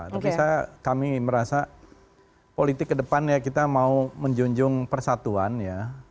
tapi kami merasa politik kedepannya kita mau menjunjung persatuan ya